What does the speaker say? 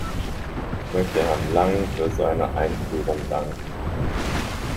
Ich möchte Herrn Langen für seine Einführung danken.